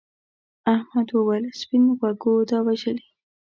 احمد وویل سپین غوږو دا وژلي.